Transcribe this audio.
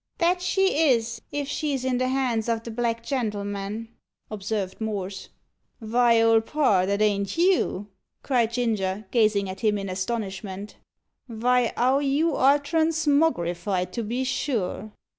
"That she is, if she's in the hands o' the black gentleman," observed Morse. "Vy, Old Parr, that ain't you?" cried Ginger, gazing at him in astonishment. "Vy, 'ow you are transmogrified, to be sure!"